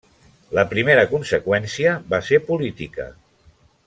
La primera conseqüència va ser política.